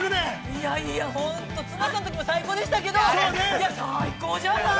◆いやいや、本当綱さんのときも最高でしたけどいや、最高じゃない？